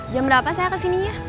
jam berapa saya kesini ya